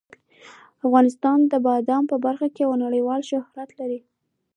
افغانستان د بادام په برخه کې نړیوال شهرت لري.